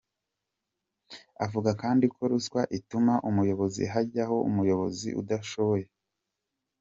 Avuga kandi ko ruswa ituma ku buyobozi hajyaho umuyobozi udashoboye.